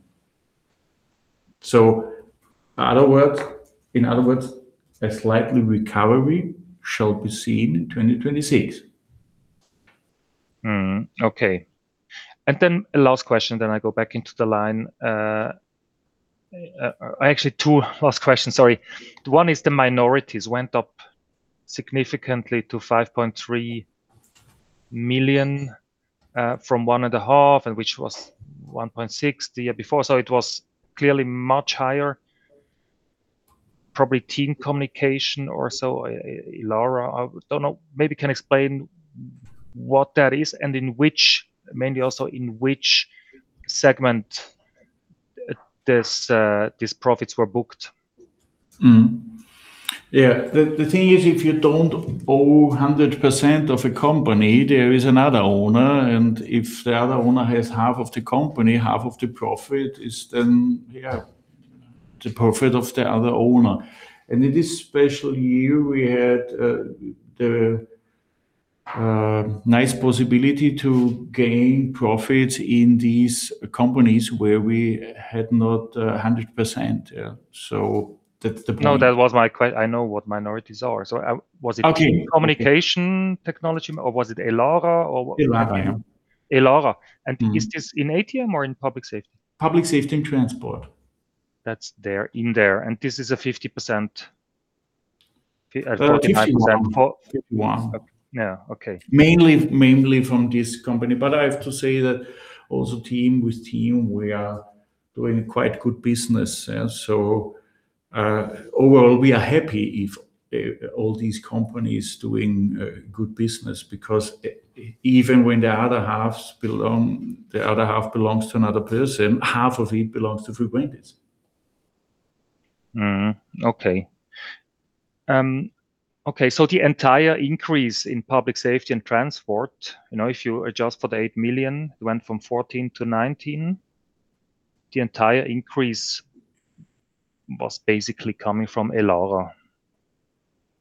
In other words, a slight recovery shall be seen in 2026. Okay. Then a last question, then I go back into the line. Actually two last questions, sorry. One is the minorities went up significantly to 5.3 million, from 1.5 million, and which was 1.6 million the year before. It was clearly much higher. Probably team communication or so, ELARA, I don't know. Maybe you can explain what that is and mainly also in which segment these profits were booked. The thing is, if you don't own 100% of a company, there is another owner. If the other owner has half of the company, half of the profit is then, yeah, the profit of the other owner. In this special year, we had the nice possibility to gain profits in these companies where we had not 100%, yeah. That's the point. No, I know what minorities are. Was it Okay Communication technology or was it ELARA or? ELARA, yeah. Is this in ATM or in public safety? Public Safety & Transport. That's in there. This is a 50%? 51%. Yeah. Okay. Mainly from this company. I have to say that also with them, we are doing quite good business. Yeah, overall we are happy if all these companies doing good business, because even when the other half belongs to another person, half of it belongs to Frequentis. The entire increase in Public Safety & Transport, if you adjust for the 8 million, it went from 14 million to 19 million. The entire increase was basically coming from ELARA.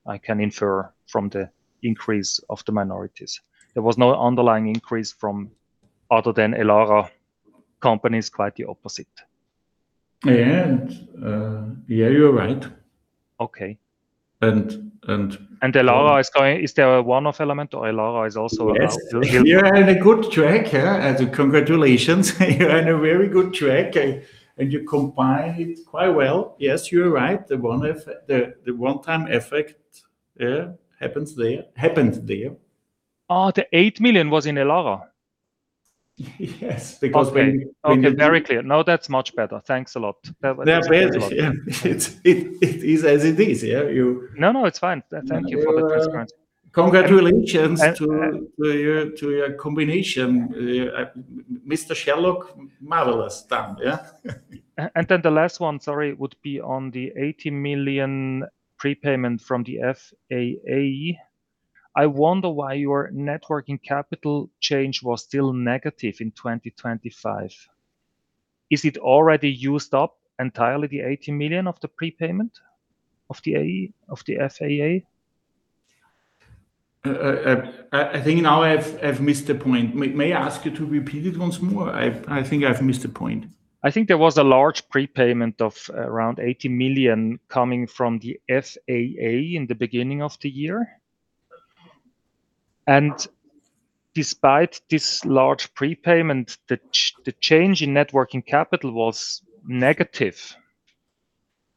I can infer from the increase of the minorities. There was no underlying increase from other than ELARA companies, quite the opposite. Yeah. You're right. Okay. And- ELARA, is there a one-off element or ELARA is also- Yes. You're on a good track, yeah, congratulations. You're on a very good track, and you combine it quite well. Yes, you are right. The one-time effect, yeah, happened there. Oh, the 8 million was in ELARA? Yes, because. Okay. Very clear. No, that's much better. Thanks a lot. Yeah. It is as it is, yeah? No, it's fine. Thank you for the transparency. Congratulations to your combination, Mr. Sherlock. Marvelous done, yeah? The last one, sorry, would be on the 80 million prepayment from the FAA. I wonder why your net working capital change was still negative in 2025. Is it already used up entirely, the 80 million of the prepayment of the FAA? I think now I've missed the point. May I ask you to repeat it once more? I think I've missed the point. I think there was a large prepayment of around 80 million coming from the FAA in the beginning of the year. Despite this large prepayment, the change in net working capital was negative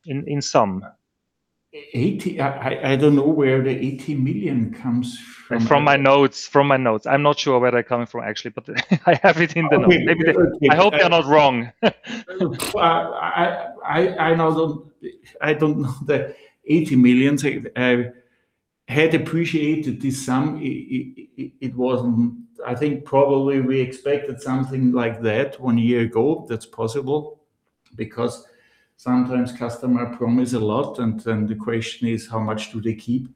in sum. I don't know where the 80 million comes from. From my notes. I'm not sure where they're coming from, actually, but I have it in the notes. Okay. I hope they are not wrong. I don't know the 80 million. I had appreciated this sum, I think probably we expected something like that one year ago. That's possible, because sometimes customers promise a lot, and then the question is how much do they keep?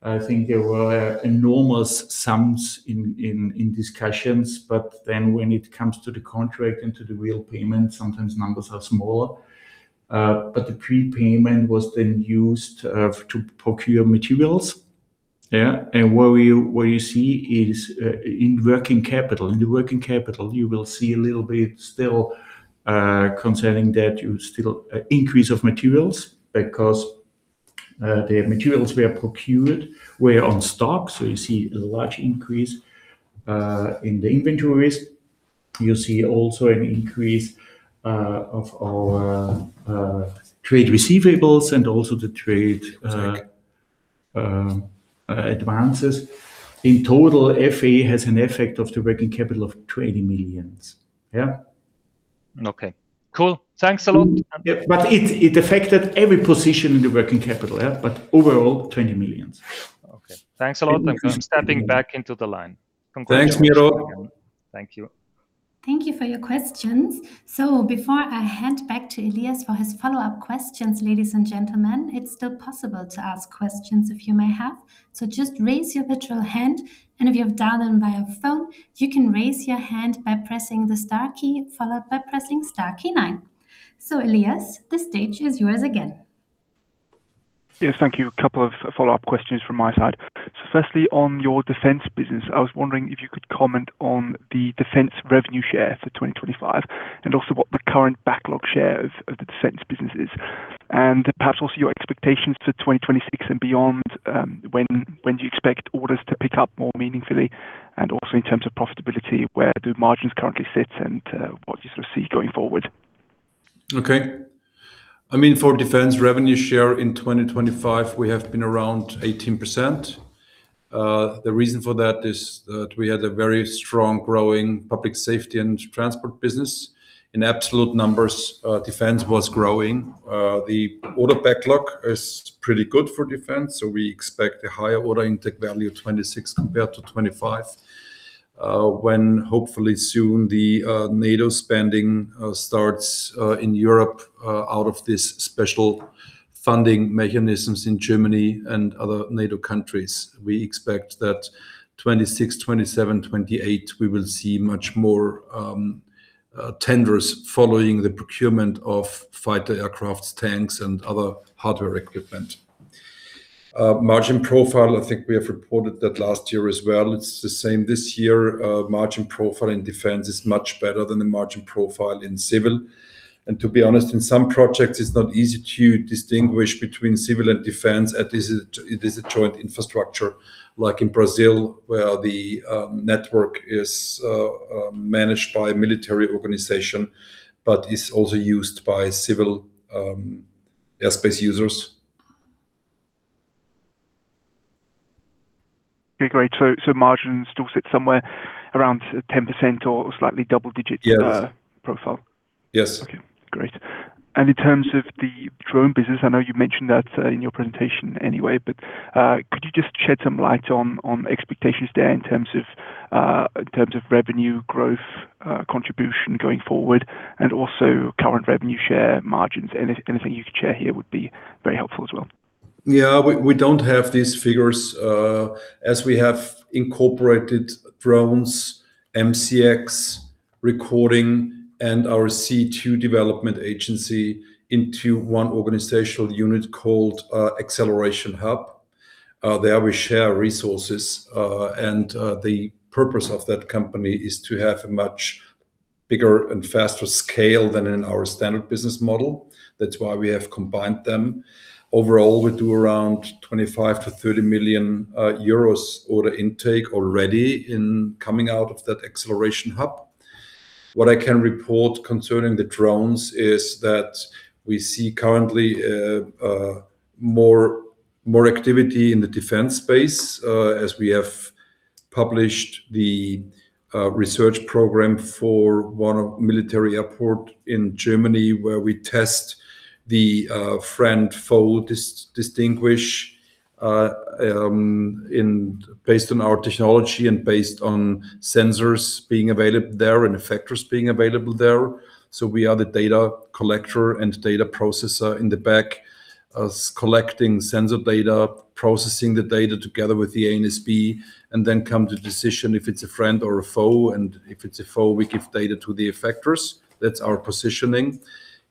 I think there were enormous sums in discussions, but then when it comes to the contract and to the real payment, sometimes numbers are smaller. The prepayment was then used to procure materials. Yeah. What you see is in the working capital, you will see a little bit still concerning that increase of materials because the materials were procured, were on stock. So you see a large increase in the inventories. You see also an increase of our trade receivables and also the trade advances. In total, FAA has an effect on the working capital of 20 million. Yeah. Okay, cool. Thanks a lot. It affected every position in the working capital. Yeah. Overall, 20 million. Okay. Thanks a lot, and I'm stepping back into the line. Thanks, Miro. Thank you. Thank you for your questions. Before I hand back to [Elias] for his follow-up questions, ladies and gentlemen, it's still possible to ask questions if you may have. Just raise your virtual hand, and if you have dialed in via phone, you can raise your hand by pressing the star key, followed by pressing star key nine. [Elias], the stage is yours again. Yes, thank you. A couple of follow-up questions from my side. Firstly, on your defence business, I was wondering if you could comment on the defence revenue share for 2025, and also what the current backlog share of the defence business is. Perhaps also your expectations for 2026 and beyond, when do you expect orders to pick up more meaningfully? Also in terms of profitability, where do margins currently sit and what do you sort of see going forward? Okay. For defence revenue share in 2025, we have been around 18%. The reason for that is that we had a very strong growing Public Safety & Transport business. In absolute numbers, defence was growing. The order backlog is pretty good for defence, so we expect a higher order intake value 2026 compared to 2025. When, hopefully soon, the NATO spending starts in Europe out of these special funding mechanisms in Germany and other NATO countries, we expect that 2026, 2027, 2028, we will see much more tenders following the procurement of fighter aircraft, tanks, and other hardware equipment. Margin profile, I think we have reported that last year as well. It's the same this year. Margin profile in defence is much better than the margin profile in civil. To be honest, in some projects it's not easy to distinguish between civil and defence, it is a joint infrastructure. Like in Brazil, where the network is managed by a military organization but is also used by civil airspace users. Okay, great. Margins still sit somewhere around 10% or slightly double digits. Yes Profile. Yes. Okay. Great. In terms of the drone business, I know you mentioned that in your presentation anyway, but could you just shed some light on expectations there in terms of revenue growth, contribution going forward, and also current revenue share margins? Anything you could share here would be very helpful as well. Yeah. We don't have these figures as we have incorporated drones, MCX, Recording, and our C2 development agency into one organizational unit called Acceleration Hub. There we share resources, and the purpose of that company is to have a much bigger and faster scale than in our standard business model. That's why we have combined them. Overall, we do around 25 million-30 million euros order intake already coming out of that Acceleration Hub. What I can report concerning the drones is that we see currently more activity in the defence space, as we have published the research program for one military airport in Germany, where we test the friend-foe distinction based on our technology and based on sensors being available there and effectors being available there. We are the data collector and data processor in the back, collecting sensor data, processing the data together with the ANSP, and then come to decision if it's a friend or a foe. If it's a foe, we give data to the effectors. That's our positioning.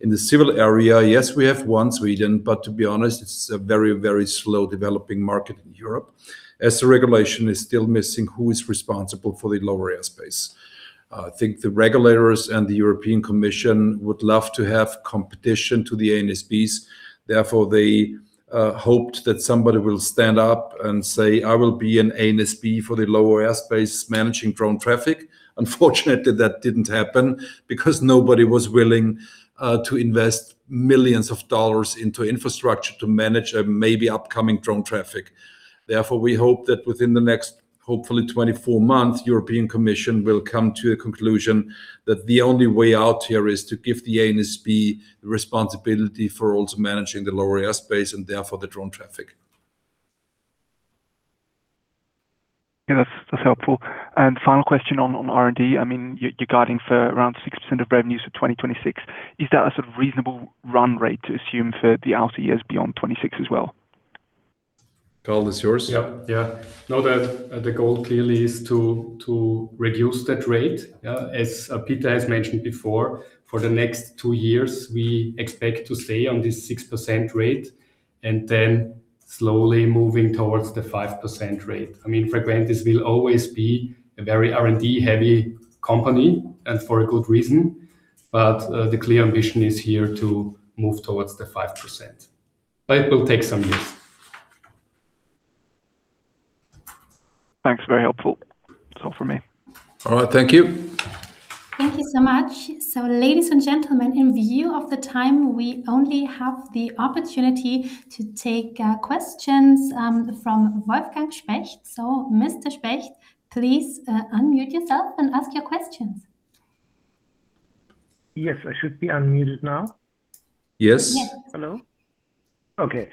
In the civil area, yes, we have one, Sweden, but to be honest, it's a very slow developing market in Europe as the regulation is still missing who is responsible for the lower airspace. I think the regulators and the European Commission would love to have competition to the ANSPs. Therefore, they hoped that somebody will stand up and say, "I will be an ANSP for the lower airspace managing drone traffic." Unfortunately, that didn't happen because nobody was willing to invest millions of dollars into infrastructure to manage a maybe upcoming drone traffic. Therefore, we hope that within the next, hopefully 24 months, European Commission will come to a conclusion that the only way out here is to give the ANSP responsibility for also managing the lower airspace, and therefore the drone traffic. Yeah. That's helpful. Final question on R&D. You're guiding for around 6% of revenues for 2026. Is that a reasonable run rate to assume for the outer years beyond 2026 as well? Karl, it's yours. Yeah. No, the goal clearly is to reduce that rate. As Peter has mentioned before, for the next two years, we expect to stay on this 6% rate and then slowly moving towards the 5% rate. Frequentis will always be a very R&D-heavy company, and for a good reason. The clear ambition is here to move towards the 5%, but it will take some years. Thanks. Very helpful. That's all from me. All right. Thank you. Thank you so much. Ladies and gentlemen, in view of the time, we only have the opportunity to take questions from Wolfgang Specht. Mr. Specht, please unmute yourself and ask your questions. Yes. I should be unmuted now. Yes. Yes. Hello. Okay.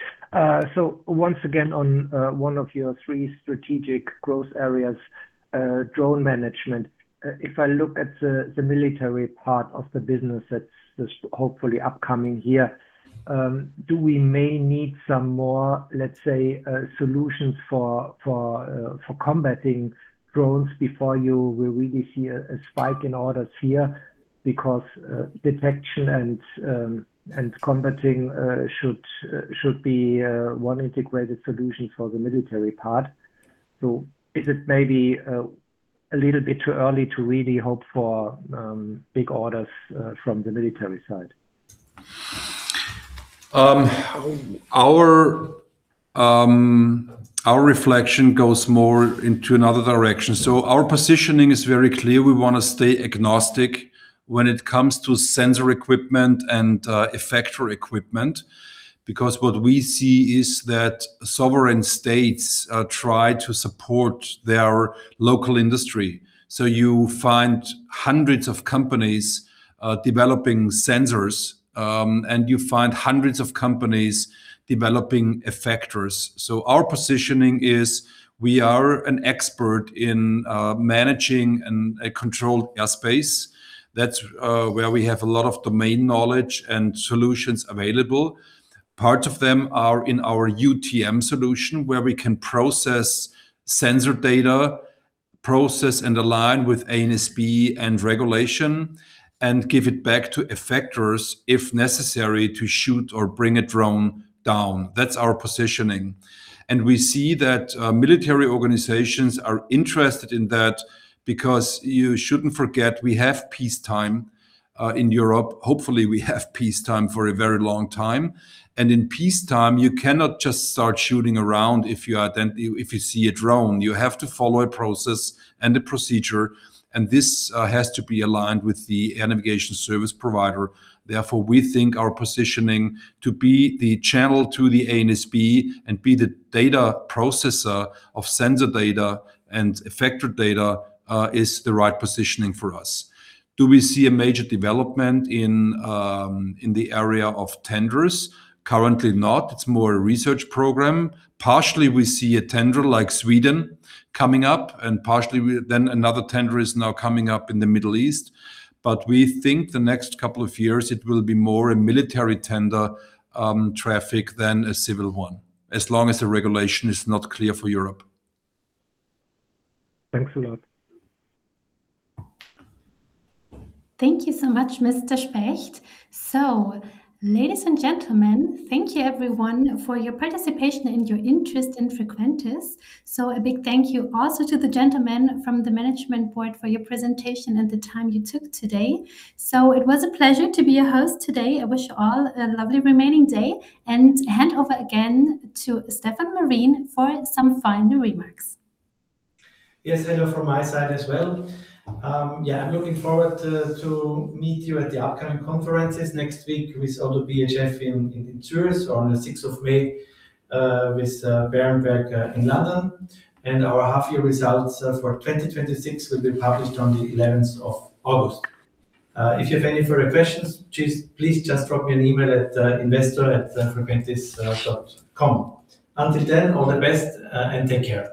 Once again, on one of your three strategic growth areas, Drone Management. If I look at the military part of the business that's hopefully upcoming here, do we may need some more, let's say, solutions for combating drones before you will really see a spike in orders here? Because detection and combating should be one integrated solution for the military part. Is it maybe a little bit too early to really hope for big orders from the military side? Our reflection goes more into another direction. Our positioning is very clear. We want to stay agnostic when it comes to sensor equipment and effector equipment, because what we see is that sovereign states try to support their local industry. You find hundreds of companies developing sensors, and you find hundreds of companies developing effectors. Our positioning is we are an expert in managing and a controlled airspace. That's where we have a lot of domain knowledge and solutions available. Part of them are in our UTM solution, where we can process sensor data, process and align with ANSP and regulation, and give it back to effectors, if necessary, to shoot or bring a drone down. That's our positioning. We see that military organizations are interested in that because you shouldn't forget we have peace time in Europe. Hopefully, we have peace time for a very long time. In peace time, you cannot just start shooting around if you see a drone. You have to follow a process and a procedure, and this has to be aligned with the air navigation service provider. Therefore, we think our positioning to be the channel to the ANSP and be the data processor of sensor data and effector data is the right positioning for us. Do we see a major development in the area of tenders? Currently not. It's more a research program. Partially, we see a tender like Sweden coming up, and partially then another tender is now coming up in the Middle East. We think the next couple of years it will be more a military tender traffic than a civil one as long as the regulation is not clear for Europe. Thanks a lot. Thank you so much, Mr. Specht. Ladies and gentlemen, thank you everyone for your participation and your interest in Frequentis. A big thank you also to the gentlemen from the Management Board for your presentation and the time you took today. It was a pleasure to be your host today. I wish you all a lovely remaining day, and hand over again to Stefan Marin for some final remarks. Yes. Hello from my side as well. Yeah, I'm looking forward to meet you at the upcoming conferences next week with ODDO BHF in Zurich on the 6th of May, with Berenberg in London. Our half year results for 2026 will be published on the 11th of August. If you have any further questions, please just drop me an email at investor@frequentis.com. Until then, all the best and take care.